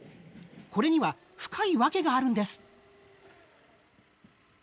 これには深いワケがあるんです。